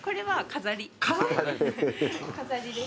飾りです。